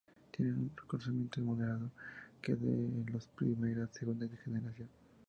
Tienen un reconocimiento moderado que los de la primera y segunda generación.